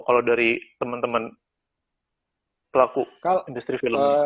kalau dari temen temen pelaku industri film